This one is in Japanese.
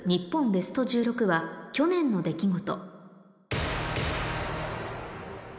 ベスト１６は去年の出来事」